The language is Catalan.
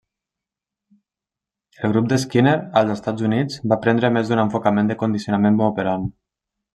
El grup de Skinner, als Estats Units, va prendre més d'un enfocament de condicionament operant.